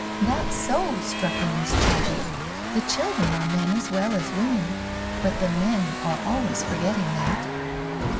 "That's so," struck in Miss Chadwick, "the chil dren are men as well as women, but the men are always forgetting that.